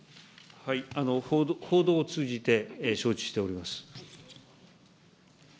報道を通じて承知しております。